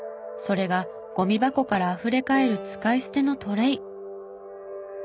それがゴミ箱からあふれかえる使い捨てのトレイ。